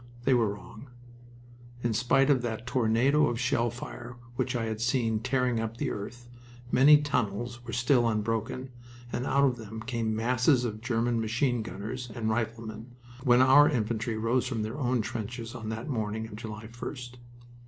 They were wrong. In spite of that tornado of shell fire which I had seen tearing up the earth, many tunnels were still unbroken, and out of them came masses of German machine gunners and riflemen, when our infantry rose from their own trenches on that morning of July 1st.